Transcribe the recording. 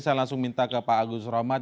saya langsung minta ke pak agus rohmat